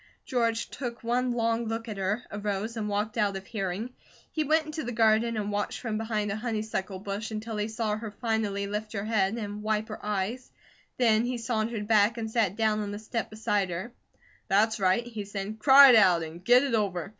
George took one long look at her, arose, and walked out of hearing. He went into the garden and watched from behind a honeysuckle bush until he saw her finally lift her head and wipe her eyes; then he sauntered back, and sat down on the step beside her. "That's right," he said. "Cry it out, and get it over.